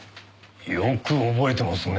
よく覚えてますね。